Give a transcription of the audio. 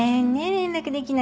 連絡できなくて。